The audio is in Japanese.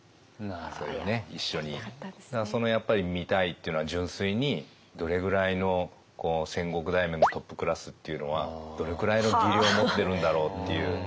そのやっぱり「見たい」っていうのは純粋にどれぐらいの戦国大名のトップクラスっていうのはどれくらいの技量を持ってるんだろうっていう。